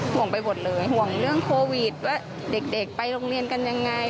ห่วงไปหมดเลยห่วงเรื่องโควิดว่าเด็กไปโรงเรียนกันยังไง